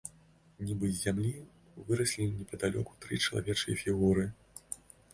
Нібы з зямлі выраслі непадалёку тры чалавечыя фігуры.